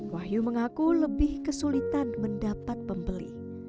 wahyu mengaku lebih kesulitan mendapat pembeli